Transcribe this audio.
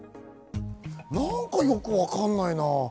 なんかよくわかんないな。